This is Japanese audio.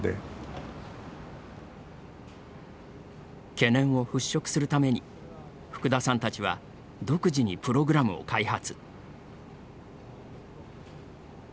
懸念を払拭するために福田さんたちは独自にプログラムを開発。